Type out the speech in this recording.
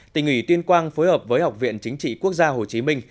tỉnh ủy tuyên quang phối hợp với học viện chính trị quốc gia hồ chí minh